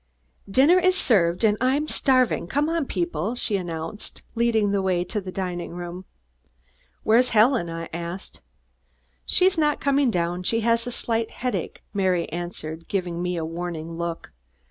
"Dinner is served, and I'm starving. Come on, people!" she announced, leading the way to the dining room. "Where's Helen?" I asked. "She's not coming down. She has a slight headache," Mary answered, giving me a warning look.